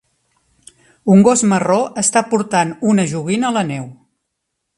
Un gos marró està portant una joguina a la neu.